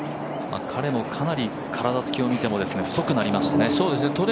彼も、かなり体つきを見ても太くなりましたね。